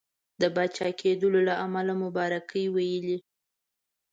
د پاچا کېدلو له امله مبارکي ویلې.